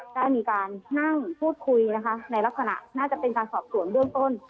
ได้มีการนั่งพูดคุยนะคะในลักษณะน่าจะเป็นการสอบสวนเบื้องต้น